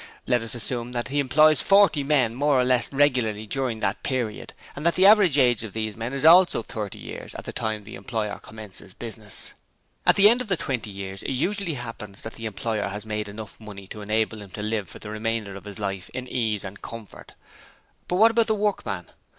Let us assume that he employs forty men more or less regularly during that period and that the average age of these men is also thirty years at the time the employer commences business. At the end of the twenty years it usually happens that the employer has made enough money to enable him to live for the remainder of his life in ease and comfort. But what about the workman?